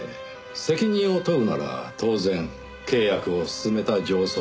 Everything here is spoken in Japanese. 責任を問うなら当然契約を進めた上層部。